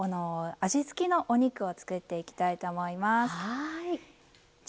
味つきのお肉を作っていきたいと思います。